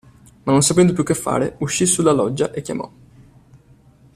Ma non sapendo più che fare, uscì sulla loggia e chiamò.